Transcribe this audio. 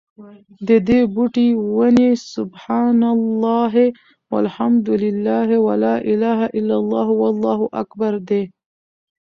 ددي بوټي، وني: سُبْحَانَ اللهِ وَالْحَمْدُ للهِ وَلَا إِلَهَ إلَّا اللهُ وَاللهُ أكْبَرُ دي